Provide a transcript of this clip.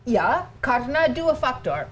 ya karena dua faktor